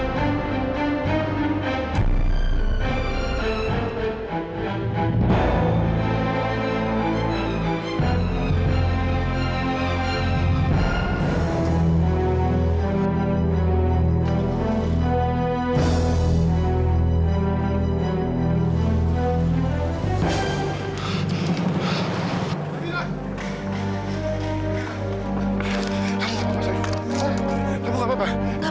kamu gak apa apa